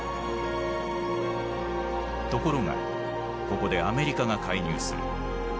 ところがここでアメリカが介入する。